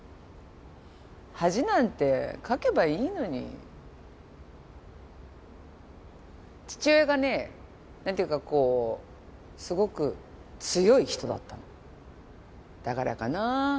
恥なんてかけばいいのに父親がね何ていうかこうすごく強い人だったのだからかな